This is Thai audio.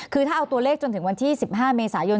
คือถ้าเอาตัวเลขจนถึงวันที่๑๕เมษายน